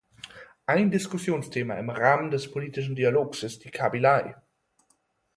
Ein Diskussionsthema im Rahmen des politischen Dialogs ist die Kabylei.